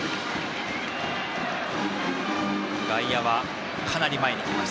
外野はかなり前に来ています